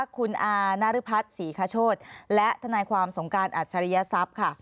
คุณอานรพัฒน์ศรีคโชธและทนายความสงการอัจฉริยทรัพย์ค่ะ